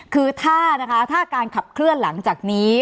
คือถ้านะคะถ้าการขับเคลื่อนหลังจากนี้